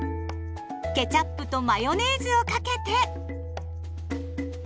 ケチャップとマヨネーズをかけて。